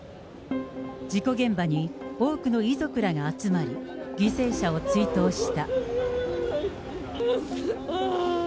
事故現場に多くの遺族らが集まり、犠牲者を追悼した。